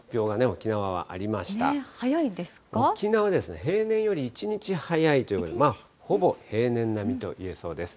沖縄は平年より１日早いという、まあほぼ平年並みといえそうです。